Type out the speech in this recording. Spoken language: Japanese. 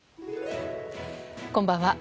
こんばんは。